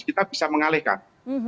kita bisa mengalihkan